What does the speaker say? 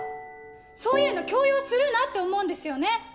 そういうの強要するなって思うんですよね。